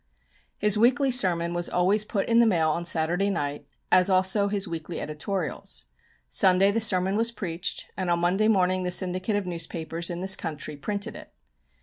His weekly sermon was always put in the mail on Saturday night, as also his weekly editorials. Sunday the sermon was preached, and on Monday morning the syndicate of newspapers in this country printed it.